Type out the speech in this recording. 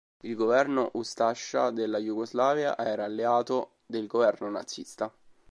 Il governo Ustascia della Jugoslavia era alleato del governo nazista.